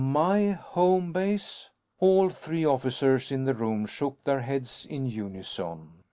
My home base?" All three officers in the room shook their heads in unison.